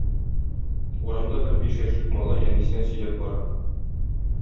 Урамда бер биш яшьлек малай әнисенә сөйләп бара